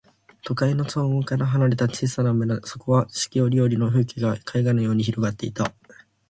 都会の喧騒から離れた小さな村、そこでは四季折々の風景が絵画のように広がっていた。